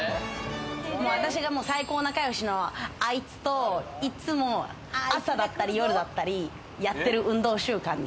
私がもう最高仲良しのあいつと、いつも朝だったり夜だったりやってる運動習慣。